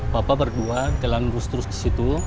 bapak berdua jalan terus terus disitu